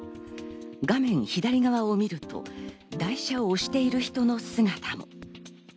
画面左側を見ると、台車を押している人の姿が。